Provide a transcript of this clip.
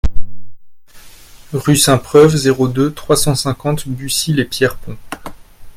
Rue Sainte-Preuve, zéro deux, trois cent cinquante Bucy-lès-Pierrepont